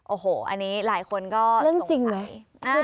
โอ้โหอันนี้หลายคนก็เรื่องจริงไหม